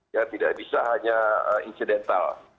ya tidak bisa hanya insidental